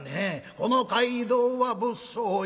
「この街道は物騒ゆえ」